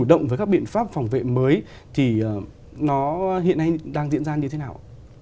động với các biện pháp phòng vệ mới thì nó hiện nay đang diễn ra như thế nào